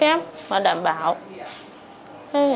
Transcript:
bệnh nhân bị ngộ